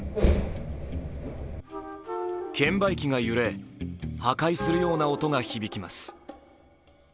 券売機が揺れ、破壊するような音が響きます。